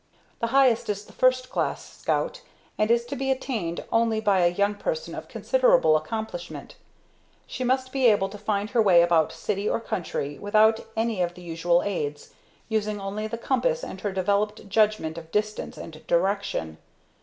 The highest is the "First Class" Scout and is to be attained only by a young person of considerable accomplishment. She must be able to find her way about city or country without any of the usual aids, using only the compass and her developed judgment of distance and direction.